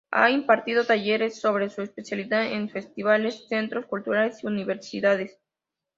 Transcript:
Ha impartido talleres sobre su especialidad en festivales, centros culturales y universidades.